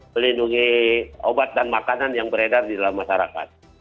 melindungi obat dan makanan yang beredar di dalam masyarakat